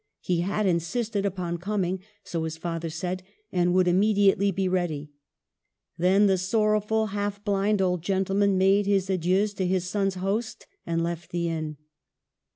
He had insisted upon coming, so his father said, and would immediately be ready. Then the sorrowful, half blind old gentleman made his adieus to his son's host, and left the inn.